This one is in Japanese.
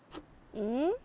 うん？